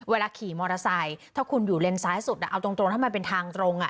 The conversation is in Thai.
เวลาขี่มอเตอร์ไซค์ถ้าคุณอยู่เลนซ้ายสุดเอาตรงถ้ามันเป็นทางตรง